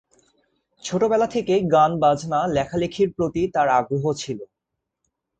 ছোট বেলা থেকেই গান বাজনা লেখালেখির প্রতি তার আগ্রহ ছিল।